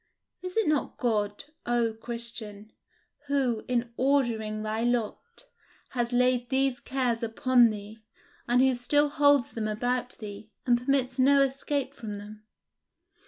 Is it not God, O Christian, who, in ordering thy lot, has laid these cares upon thee, and who still holds them about thee, and permits no escape from them?